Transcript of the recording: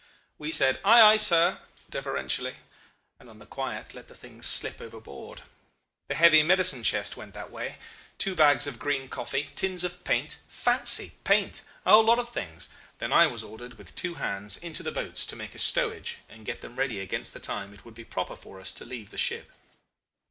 We said, 'Ay, ay, sir,' deferentially, and on the quiet let the thing slip overboard. The heavy medicine chest went that way, two bags of green coffee, tins of paint fancy, paint! a whole lot of things. Then I was ordered with two hands into the boats to make a stowage and get them ready against the time it would be proper for us to leave the ship.